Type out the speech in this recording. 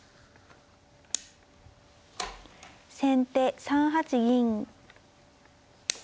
先手３八銀。